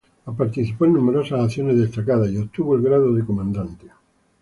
Participó en numerosas acciones destacadas y obtuvo el grado de comandante.